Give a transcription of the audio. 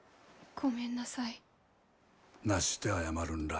ごめんなさい。